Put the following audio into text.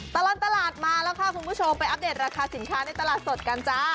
ตลอดตลาดมาแล้วค่ะคุณผู้ชมไปอัปเดตราคาสินค้าในตลาดสดกันจ้า